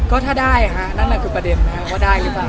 ก็ถ้าได้ฮะนั่นแหละคือประเด็นนะครับว่าได้หรือเปล่า